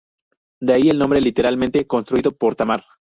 De ahí el nombre, literalmente "construido por Tamar".